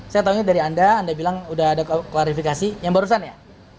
saya tahunya dari anda anda bilang udah ada klarifikasi yang barusan ya